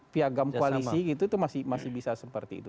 piagam koalisi gitu itu masih bisa seperti itu